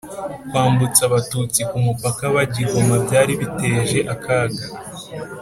Kwambutsa Abatutsi ku mupaka bajya i Goma byari biteje akaga